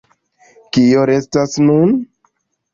Kio restas nun?